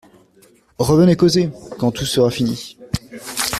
Revenez causer, quand tout sera fini.